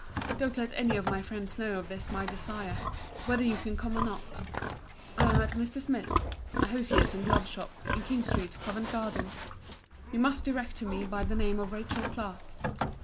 Don't let any of my friends know of this my desire: whether you can come or not. I am at Mr. Smith's, a hosier's and glove shop, in King street, Covent garden. You must direct to me by the name of Rachel Clark.